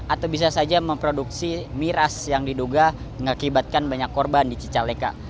atau bisa saja memproduksi miras yang diduga mengakibatkan banyak korban di cicaleka